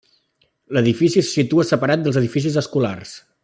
L'edifici se situa separat dels edificis escolars.